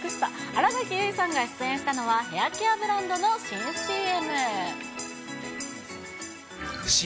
新垣結衣さんが出演したのは、ヘアケアブランドの新ＣＭ。